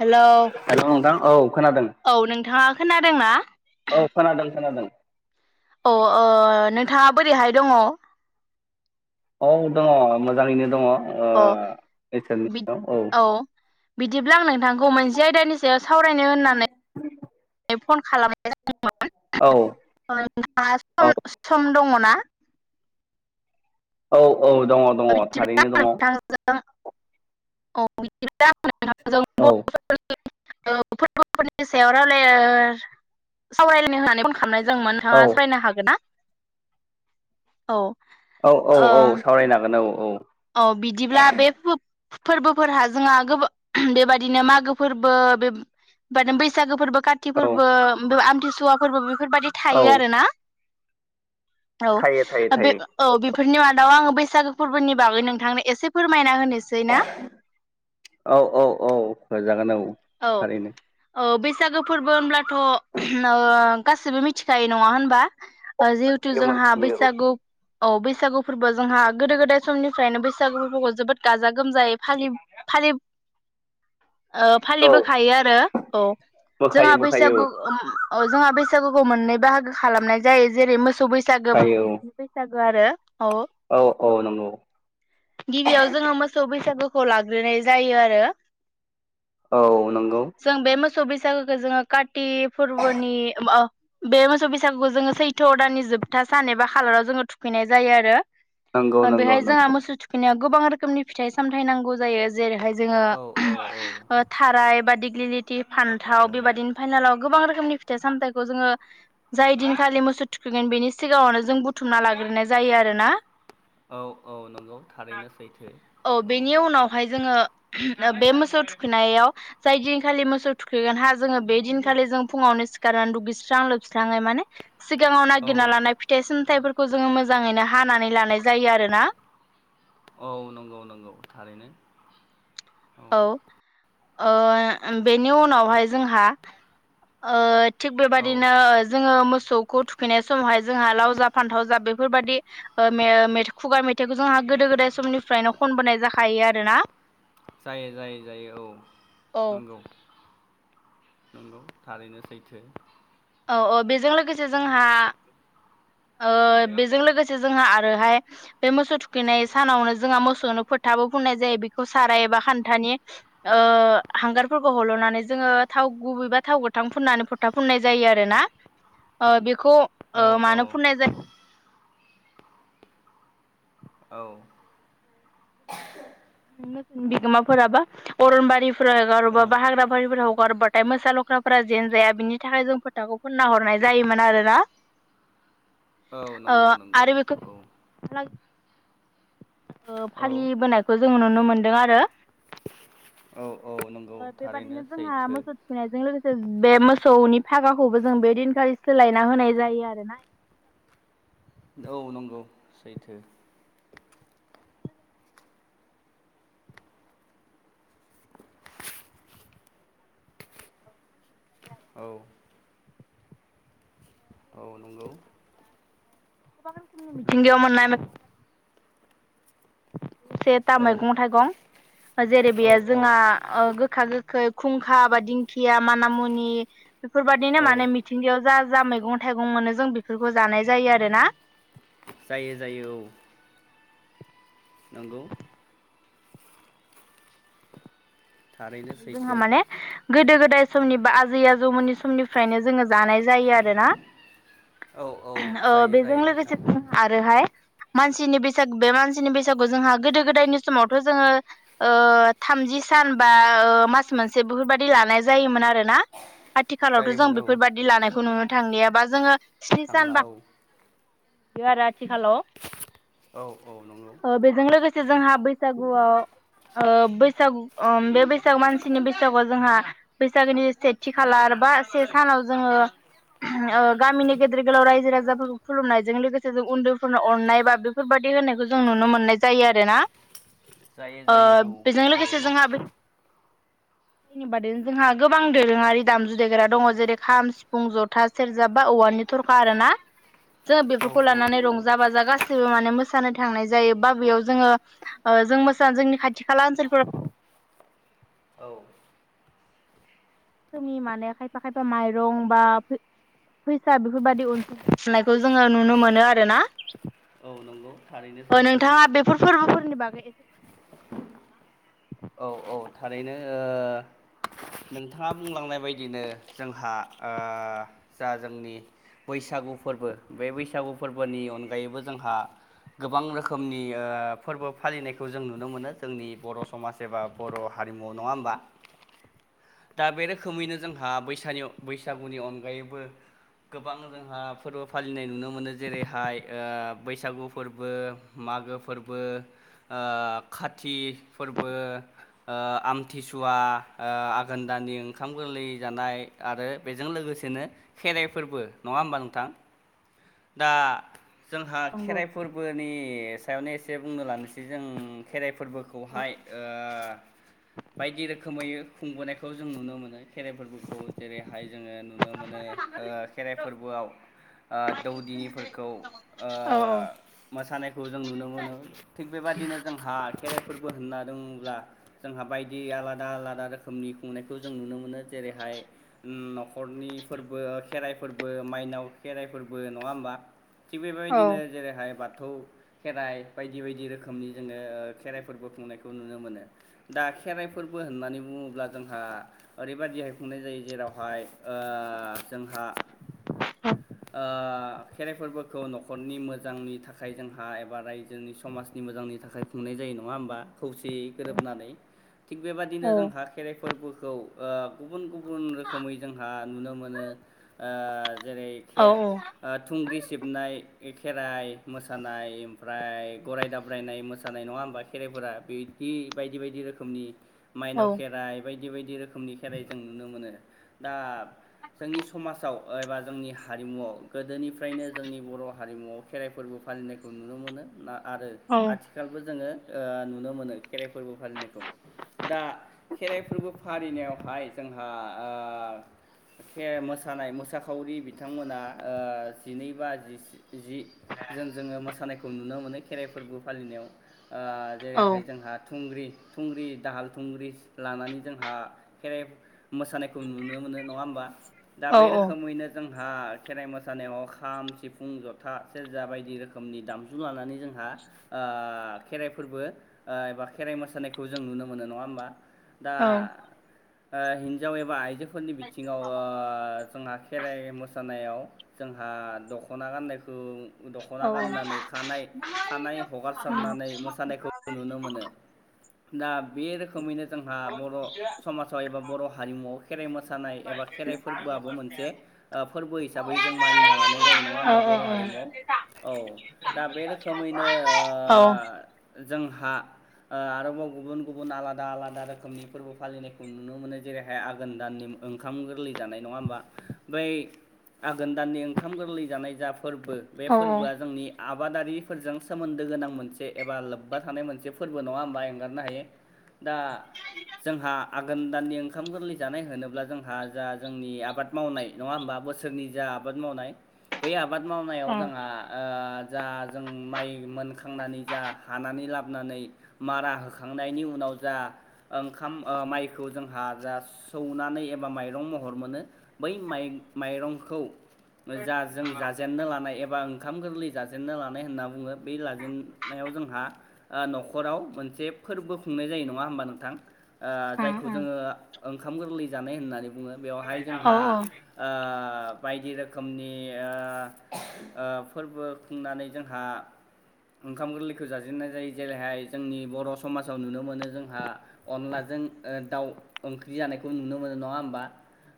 Hello hello नोंथां औ खोनादों औ नोंथाङा खोनादोंना? औ खोनादों खोनादों अ ओ नोंथाङा बोरैहाय दङ? औ दङ मोजाङैनो दङ। अ बिद औ बिदिब्ला आं नोंथांखौ मोनसे आयदानि सायाव सावरायनो होननानै फन खालामनाय जादों औ [unintelligible] नोंहा औ सम सम दङना? औ औ दङ दङ बिदिब्ला थारैनो दङ औ बिदिब्ला आं नोंथांजों बर'फोरनि औ फोरबोफोरनि सायाव रायलायनो सावरायलायनो होननानै फन खालामनाय जादोंमोन औ नोंथाङा सावरायनो हागोन ना औ औ औ औ ओ सावरायनो हागोन औ औ औ बिदिब्ला बे फोरबोफोरहा जोंहा गोबां बेबादिनो मागो फोरबो बे बैसागो फोरबो काति औ फोरबो आमथिसुवा फोरबो बेफोरबायदि थायो औ आरो ना। थायो थायो औ बे थायो औ बेफोरनि मादाव आङो बैसागो फोरबोनि बागै नोंथांनो एसे फोरमायना होनो औ औ औ फोरमाय जागोन औ थारैनो औ बैसागो फोरबो होनब्लाथ' ओ गासिबो मिथिखायो नङा होनबा। जिहुथु मोनथियो जोंहा मोनथियो बैसागु औ औ बैसागु फोरबो जोंहा गोदो गोदाय समनिफ्रायनो बैसागु फोरबोखौ जोबोद गाजा गोमजायै फालि फा [unintelligible] ओ औ फालिबोखायो आरो औ जोंहा बोखायो बोखायो बैसागु औ ओ औ जोंहा बैसागुखौ मोननै बाहागो खालामनाय जायो जेरै मोसौ बैसागो बा बोखायो मानसिनि बैसागु। आरो औ औ औ नंगौ गिबियाव जों मोसौ बै सागुखौ लाग्रोनाय जायो आरो। औ नंगौ जों बे मोसौ बैसागुखौ जोङो काति फोरबोनि ओ बे मोसौ बैसागुखौ जोङो सैथ' दाननि जोबथा सान एबा खालाराव जोङो थुखैनाय जायो आरो। नंगौ नंगौ बेहाय जोंहा नंगौ मोसौ थुखैनायाव गोबां रोखोमनि फिथाइ सामथाइ नांगौ जायो जेरैहाय जोङो औ औ औ [unintelligible] बा दिग्लिलिटि फान्थाव औ बेबायदिनि फाइनालाव गोबां रोखोमनि फिथाइ सामथाइखौ जोङो जाय दिनखालि मोसौ थुखैगोन बेनि सिगाङावनो जों बुथुमना ला ग्रोनाय जायो आरो ना। औ औ नंगौ थारैनो सैथो औ बेनि उनावहाय बे मोसौ थु खैनायाव जाय दिनखालि मोसौ थुखैगोन हा जोङो बे दिनखालि जों फुङावनो सिखारनानै दुगैस्रां लोब स्राङै माने सिगाङाव नागिरना औ लानाय फिथाइ साम थाइफोरखौ जोङो मोजाङैनो हानानै लानाय जायो आरोना। औ नंगौ नंगौ थारैनो औ ओ बेनि उनावहाय जोंहा ओ थिग औ बेबायदिनो जोङो मो सौखौ थुखैनाय समावहाय जोंहा लाव जा फानथाव जा बेफोरबायदि ओ मे मेथा खुगा मेथाइखौ जोंहा गोदो गोदाय समनिफ्रायनो खनबोनाय जाखायो आरोना जायो जायो जायो औ औ नंगौ नंगौ थारैनो सैथो औ औ बेजों लोगोसे जोंहा ओ बेजों लोगोसे जोंहा आरोहाय बे मोसौ थुखैनाय सानावनो जोंहा मोसौनो फोथाबो फुननाय जायो बेखौ साराय एबा खान्थानि ओ हांगारफोरखौ हल'नानै जोंङो थाव गुबैबा थाव गोथां फुननानै फथा बुंनाय जायो आरोना ओ बेखौ औ ओ मानो औ फुननाय जायो औ मोसौखौ गोदोनि मोसौनि बिगोमाफोराबा अरनबारिफोराव औ हगारोबा बा हाग्रा बारिफोराव हगारोबाथाय मोसा लख्रा फोरा जेन जाया बिनि थाखाय जों फोथाखौ फोनना हरनाय जायोमोन आरोना औ ओ नंगौ नंगौ आरो बेखौ औ ओ औ फालिबोनायखौ जों नुनो मोनदों आरो औ औ नंगौ थारैनो बेबादिनो जोंहा सैथो मोसौ थुखैनायजों लोगोसे बे मोसौनि फागाखौबो जों बेदिनखालि सोलायना होनाय जायो आरोना [inaudible] औ नंगौ सैथो फालिनाय जायो औ आरो औ नंगौ [unintelligible] से था औ मैगं थाइगं जेरै औ बेयो औ जोंहा गोखा गोखै खुंखा बा दिंखिया मानामुनि बेफोरबायदिनो औ माने मिथिंगायाव जा जा मैगं थाइगं मोनो जों बेफोरखौ जानाय जायो आरोना। जायो जायो औ नंगौ थारैनो जोंहा सैथो माने गोदो गोदाय समनि बा आजै आजौमोननि समनिफ्रायनो जोंङो जानाय जायो आरोना। औ औ ओ जायो बेजों जायो नोंथां लोगोसे आरोहाय मानसिनि बैसागु बे मानसिनि बैसागु जोंहा गोदो गोदायनि समावथ' जोंङो ओ थामजि बि सान ओ बा मास मोनसे बेफोरबायाददि लानाय जायोमोन आरोना आथिखालावथ' जों जायोमोन औ बेफोरबायाददि लानायखौ नुनो थांलियाबा जोंङो स्नि सान थांला बा औ बे आरो आथिखालाव औ औ नंगौ ओ बेजों लोगोसे जोंहा बैसागुआव ओ बैसागु ओम बे बैसागु बैसाग मानसिनि बैसागुआव जोंहा बैसागोनि सेथि खालार बा से सानाव जोंङो गामिनि गेदेर गोलाव रायजो राजाफोरखौ खुलुमनायजों लोगोसे जों उन्दैफोरनो अननाय बा बेफोरबायदि दि होनायखौ जों नुनो मोननाय जायो आरोना जायो ओ जायो औ बेजों लोगोसे थारैनो जोंहा [inaudible] बिनि बादै जोंहा गोबां दोरोंङारि दामजु देग्रा दंङ जेरै खाम सिफुं जथा सेरजा बा औवा नि थरखा आरो ना जोंङो औ बेफोरखौ औ लानानै नंगौ रंजा बाजा गाैबो माने मोसानो थांनाय जायो बा बेेयाव जोंङो जों मोसानो जोंनि खाथि खाला ओनसोलफोराव औ जोंनि माने खायफा खायफा माइरं बा फैसा बेफोरबायादि अनसुंथायखौ जोंङो नुनो मोनो आरो ना औ नंगौ थारैनो अ सैथो नोंथांङा बेफोर फोरबोफोरनि बागै एसे फोरमायनो हागोन नामा नोंथां? औ औ थारैनो ओ नोंथांङा बुंलांनाय बायदिनो जोंहा ओ जा जोंनि बैसागु फोरबो बे बैसागु फोरबोनि अनगायैबो जोंहा गोबां रोखोमनि ओ फोरबो फालिनायखौ जों नुनो मोनो जोंनि बर' समाज एबा बर' हारिमु नंङा होमबा दा बे रोखोमैनो जोंहा बैसानियाव- बैसागुनि अनगायैबो गोबां जोंहा फोरबो फालिनाय नुनो मोनो जेरैहाय ओ बैसागु फोरबो मा आगो फोरबो ओ खाथि फोरबो ओ आमथिसुवा आघोन दानि ओंखाम गोरलै जानाय, आरो बेजों लोगोसेनो खेराइफोरबो नङा होमबा नोंथां। दा जोंहा नोंथां? नंगौ खेराइ फोरबोनि सायावनो एसे बुंनो लानोसै जों खेराइफो औ फोरबोखौहाय ओ बायदि रोखोमै खुंबोनायखौ जों नुनो मोनो। खेराइ फोरबोखौ जेरैहाय जोङो नुनो मोनो हो खेराइ फोरबो आव दौदिनिफोरखौ ओ औ मोसानायखौ जों नुनो, मोनो थिग बेबादिनो जोंहा खेराइफोरबो होनना दङब्ला जोंहा बायदि आलादा आलादा रोखोमनि खुंनायखौ जों नुनो मोनो जे रैहाय नखरनि फोरबो खेराइ फोरबो, माइनाव खेराइ फोरब बो, नङा होमबा थिग औ बेबायदिनो जेरैहाय बाथ थौ खेराइ बायदि बायदि रोखोमनि जोङो खेराइफोरबो खुंनायखौ नुनो मोनो। दा खेराइ फोरबो होननानै बुङोब्ला जोंहा ओरैबायदिहाय खुंनाय जायो जेरावहाय ओ जोंहा ओ [inaudible] खेराइ फोरबोखौ नखरनि मोजांनि थाखाय जोंहा एबा रायजोनि समाजनि मोजांनि थाखाय खुंनाय जा यो नङा होमबा खौसेयै गोरोबनानै, थिग बेबायाददिनो जोंहा खेराइ फोरबो खौ ओ गुबुन गुबुन रोखोमै जोंहा नुनो मोनो ओ जेरै औ खे ओ थुंग्रि सिबनाय, खेराइ मोसानाय ओमफ्राय गराय दाब्रायनाय मोसानाय, नङा होमबा खेराइफोरा, बे दि बायदि बायदि रोखोमनि औ माइनाव खेराइ बायदि बायदि रोखोमनि खेराइ जों नुनो मोनो। दा जोंनि समाजाव ओ एबा जोंनि हा हारिमुआव गोदोनिफ्रायनो जोंनि बर हारिमुआव खेराइ फोरबो फालिनायखौ नुनो मोनो ना आरो आथिखालबो जोङो ओ नुनो मोनो खेराइ फोरबो फालिनायखौ दा खेराइ फोरबो फालिनायावहाय जों ओंहा ओ खे मोसानाय मोसाखावरि बि बिथांमोना ओ जिनै बा जिस जि जों जोङो मोसानायखौ नुनो मोनो खेराइ फोरबो फालिनायाव ओ औ जेरैहाय जोंहा थु थुंग्रि थुंग्रि दाहाल थुंग्रि लानानै जोंहा खेराइ मोसानायखौ नुनो मोन नो नङा होमबा? दा औ बे रोखोमैनो जोंहा खेराइ मोसानायाव खाम सिफुं जथा सेरजा बायदि रोखोमनि दामजु लानानै जोंह आ ओ खेराइ फोरबो ओ एबा खेराइ मोसानायखौ जों नुनो मोनो नङा होमबा। दा ओ हिन्जाव एबा आइजोफोरनि बिथिङाव ओ जोंहा खेराइ मोसानायाव जोंहा दखना गाननायखौ दखना गाननानै खानाय - खानाय हगारसारनानै मोसानायखौ नुनो मोनो। [inaudible] दा बे रोखोमैनो जोंहा बर समाजाव एबा बर हारिमुआव खेराइ मोसानाय एबा खेराइ फोरबो आबो मोनसे फोरबो हिसाबै जों मानिना लानाय जायो नङा होमबा बर' हारिमुआव। औ दा बे रोखोमैनो ओ जोंहा ओ आरोबाव गुबुन गुबुन आलादा आलादा रोखोमनि फोरबो फालिनायखौ नुनो मोनो जेरैहाय आघोन दाननि ओंखाम गोरलै जानाय नङा होमबा। बै आघोन दाननि ओंखाम गोरलै जानाय जा फोरबो बे औ फोरबोआ जोंनि आबादारिफोरजों सोमोन्दो गोनां मोनसे एबा लोब्बा थानाय मोनसे फोरबो नङा होमबा एंगारनो हायो। दा जोंहा आघोन दाननि ओंखाम गोरलै जानाय होनोब्ला जोंहा जा जोंनि आबाद मावनाय नङा होमबा बोसोरनि जा आबाद मावनाय बै आबाद मावनायाव जोंहा ओ जा जों माइ मोनखांनानै जा हानानै लाबोनानै मारा होखांनायनि उनाव जा ओंखाम ओ माइखौ जोंहा जा सौनानै एबा माइरं महर मोनो बै माइ माइरंखौ जा जों जाजेननो लानाय एबा ओंखाम गोरलै जाजेनन्नो लानाय होनना बुङो बे लाजेनन्नायाव जोंहा ओ नखराव मोनसे फोरबो खुंनाय जायो नङा होमबा नोंथां। ओ जायखौ जोङो ओंखाम गोरलै जानाय होननानै बुङो बेवहाय जोंहा औ ओ [inaudible] बायदि रोखोमनि फोरबो खुंनानै जोंहा ओंखाम गोरलैखौ जाजेननाय जायो जेरैहाय जोंनि बर' समाजाव नुनो मोनो जोंहा अनला जों दाउ ओंख्रि जानायखौ नुनो मोनो नङा होमबा।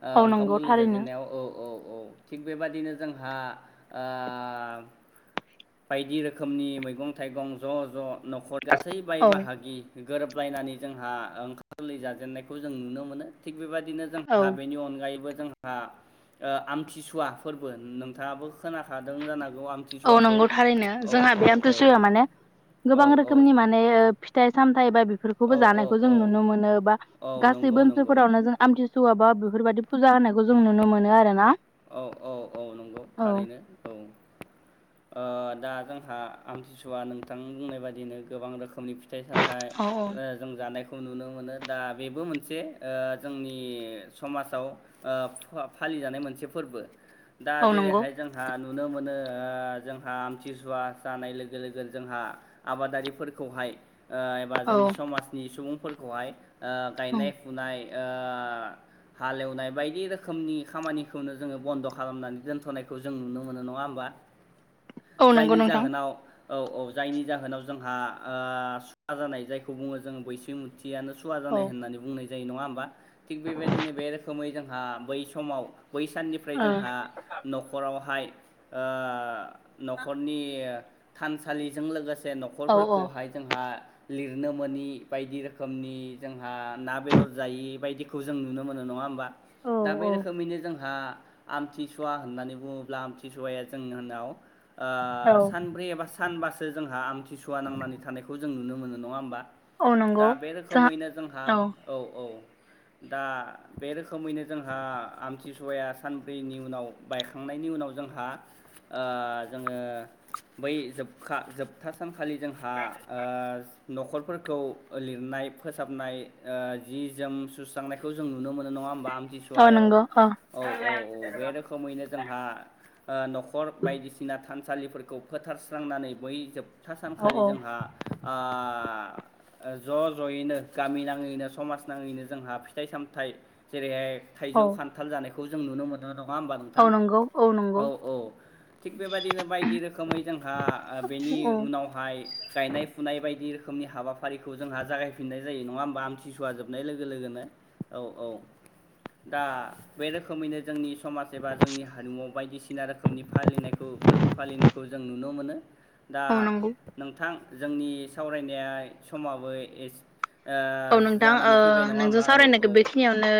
ओ औ ओंखाम नंगौ गोरलै थारैनो। जाजेननायाव औ औ औ थिग बेबादिनो जोंहा ओ बायदि रोखोमनि मैगं थाइगं ज' ज' न'खर गासै बाय औ बाहागि गोरोबलायनानै जोंहा ओंखारगोरलै जाजेननायखौ जों नुनो मोनो थिग बेबायदि। औ जोंहा बेनि अनगायैबो ओ आमथिसुवा फोरबो नोंथाङाबो खोनाखादों जानां औ नंगौ थारैनो जोंहा बिराथ गोसो औ होआ माने औ गोबां रोखोमनि औ माने फिथाइ सामथाइ बा बेफोरखौबो औ जानायखौ जों औ नुनो मोनो बा गास औ गासै नंगौ नंगौ बोसोरफोरावनो जों आमथिसुवा बा बेफोरबायदि फुजा होनायखौ जों नुनो मोनो आरो ना। औ औ औ नंगौ औ थारैनो औ। ओ दा जोंहा आमथिसुवा नोंथां बुंनाय बायदिनो गोबां रोखो रोखोमनि फिथाइ साथाय औ औ जों जानाय नुनो मोनो दा बेबो मोनसे ओ जोंनि समाजाव ओ फालि जानाय मोनसे फोरबो दा औ जेरै नंगौ हाय जोंहा नुनो मोनो ओ जोंहा आमथिसुवा जानाय लोगो लोगो जोंहा आबादारिफोरखौहाय ओ एबा औ जोंनि समाजनि सुबुंफोरखौहाय ओ गायनाय फुनाय ओ हालेवनाय बायदि रोखोमनि खामानि खौनो जोङो बन्द' खालामनानै दोन्थ'नायखौ जों नुनो मोनो नङा होमबा। औ नंगौ जायनि नोंथां जाहोनाव औ औ जायनि जाहोनाव जोंहा सुवा जानाय जायखौ बुङो जों बैसो मुथि यानो सुवा औ जानाय होननानै बुंनाय जायो नङा होमबा थिग बेबायदिनो बे रोखोमै जोंहा बै समाव बै साननिफ्राय ओ जोंहा न'खरावहाय न'खरनि थानसालिजों लोगोसे औ न'खरफोरखौहाय जोंहा लिरनो मोनोनि बायदि रोखोमनि जोंहा ना बेदर जायि बायदिखौ जों नुनो मोनो नङा होमबा औ दा बे औ रोखोमैनो जों हा आमथिसुवा होननानै बुङोब्ला आमथिसुवाया जोंनि होननाव सानब्रै एबा सानबासो जोंहा आमथिसुवा नांनानै थानायखौ जों नुनो मोनो नङा होमबा औ दा नंगौ बे रोखोमैनो जोंहा औ औ। दा बे रोखोमैनो जोंहा आमथि सुवाया सानब्रैनि उनाव बायखांनायनि उनाव जोंहा ओ जोङो बै जोबखा जोबथा सानखालि जोंहा न'खरफोरखौ लिरनाय फोसाबनाय जि जोम सुस्रांनायखौ जों नुनो मोनो नङा होमबा? ओ आमथिसुवायाव नोंगौ अ। औ औ औ बे रोखोमैनो जोंहा न'खर बायदिसिना थान सालिफोरखौ फोथारस्रांनानै बै जोबथा औ सानखालि औ जोंहा ज' ज'यैनो गामि नाङैनो समाज नाङैनो जोंहा फिथाइ सामथाइ जेरैहाय औ थाइजौ खान्थाल जानायखौ जों नुनो मोननाय नङा होमबा नोंथां औ नंगौ नंगौ औ औ थिग बेबायदिनो बायदि रोखोमै जोंहा बेनि औ उनावहाय गायनाय फुनाय बायदि रोखोमनि हाबाफारिखौ जोंहा जागायफिननाय जायो नङा होमबा आमथिसुवा जोबनाय लोगो लोगोनो। औ औ दा बे रोखोमैनो जोंनि समाज एबा जोंनि हारिमुआव बायदिसिना रोखोमनि फालिनायखौ फोरबो फालिनायखौ जों नुनो मोनो। दा औ नंगौ नोंथां जोंनि सावरायनाया समाबो एसे औ नोंथां ओ नोंजों औ सावरायनोखौ औ बेखिनियावनो